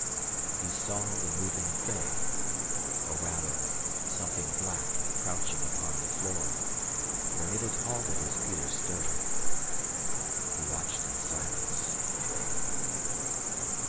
He saw the moving thing, or rather something black crouching upon the floor, for it had halted as Peter stirred. He watched in silence.